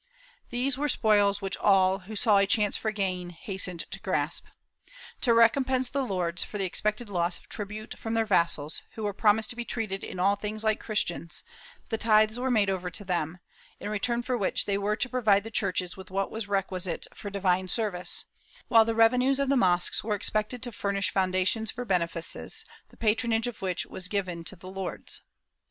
These were spoils which all, who saw a chance for gain, hastened to grasp. To recompense the lords for the expected loss of tribute from their vassals, who were promised to be treated in all things Uke Chris tians, the tithes were made over, to them, in return for which they were to provide the churches with what was requisite for divine service, while the revenues of the mosques were expected to fur nish foundations for benefices, the patronage of which was given to the lords.